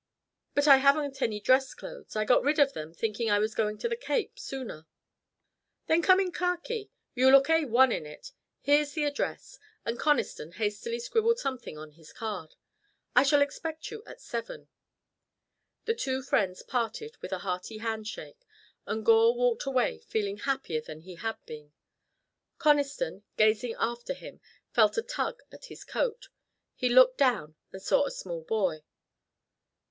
"But I haven't any dress clothes. I got rid of them, thinking I was going to the Cape sooner." "Then come in khaki. You look A 1 in it. Here's the address," and Conniston hastily scribbled something on his card. "I shall expect you at seven." The two friends parted with a hearty handshake, and Gore walked away feeling happier than he had been. Conniston, gazing after him, felt a tug at his coat. He looked down, and saw a small boy.